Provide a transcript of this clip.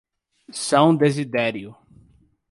São Desidério